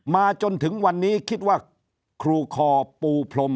จนถึงวันนี้คิดว่าครูคอปูพรม